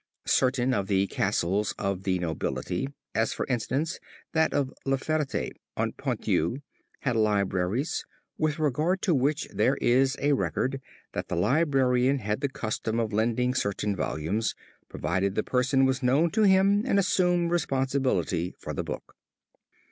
Certain of the castles of the nobility, as for instance that of La Ferte en Ponthieu, had libraries, with regard to which there is a record, that the librarian had the custom of lending certain volumes, provided the person was known to him and assumed responsibility for the book.